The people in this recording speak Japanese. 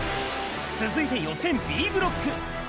続いて予選Ｂブロック。